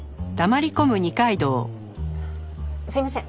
すいません